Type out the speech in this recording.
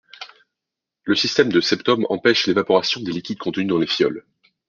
Le système de septum empêche l'évaporation des liquides contenus dans les fioles.